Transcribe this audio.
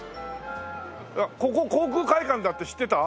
ここ航空会館だって知ってた？